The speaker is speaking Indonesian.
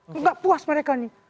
tidak puas mereka ini